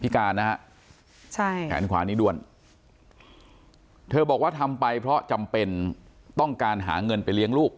แขนขวานี้ด้วนเธอบอกว่าทำไปเพราะจำเป็นต้องการหาเงินไปเลี้ยงลูก